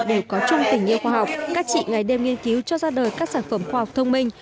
đều có chung tình yêu khoa học các chị ngày đêm nghiên cứu cho ra đời các sản phẩm khoa học thông minh